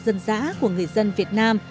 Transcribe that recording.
dân dã của người dân việt nam